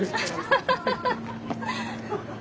ハハハハ！